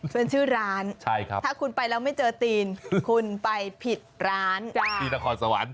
เป็นชื่อร้านถ้าคุณไปแล้วไม่เจอตีนคุณไปผิดร้านที่นครสวรรค์